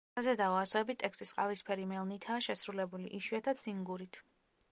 საზედაო ასოები ტექსტის ყავისფერი მელნითაა შესრულებული, იშვიათად სინგურით.